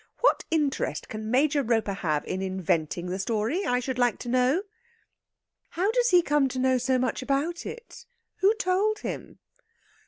What interest can Major Roper have in inventing the story, I should like to know?" "How does he come to know so much about it? Who told him?"